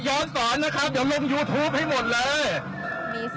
ย้อนสอนนะครับอย่าลงยูทูปให้หมดเลย